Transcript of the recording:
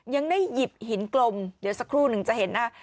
ยังได้หยิบหินกลมเดี๋ยวสักครู่หนึ่งจะเห็นนะ